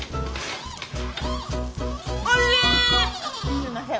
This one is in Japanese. すいません。